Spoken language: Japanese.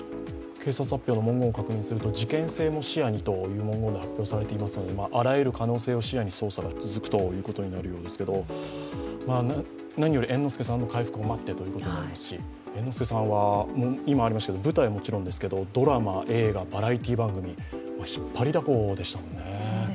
警察発表の文言を確認すると事件性も視野にという文言が発表されていますので、あらゆる可能性を視野に捜索が続くということですけれども、何より猿之助さんの回復を待ってということでありますし、猿之助さんは今ありましたけれども、舞台はもちろんですけれども、ドラマ、映画、バラエティー番組引っ張りだこでしたもんね。